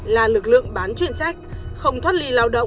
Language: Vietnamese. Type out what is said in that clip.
là lực lượng bán chuyện trách không thoát lì lao động